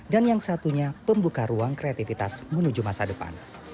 dan yang satunya pembuka ruang kreativitas menuju masa depan